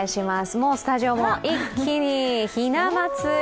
もうスタジオも一気にひな祭り。